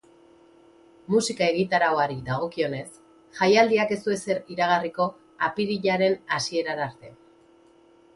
Musika egitarauari dagokionez, jaialdiak ez du ezer iragarriko apirilaren hasierara arte.